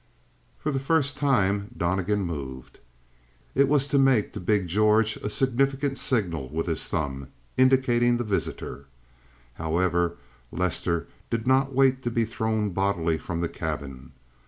For the first time Donnegan moved. It was to make to big George a significant signal with his thumb, indicating the visitor. However, Lester did not wait to be thrown bodily from the cabin.